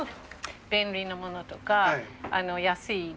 便利なものとか安い。